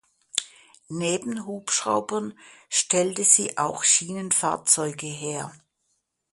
Neben Hubschraubern stellte sie auch Schienenfahrzeuge her.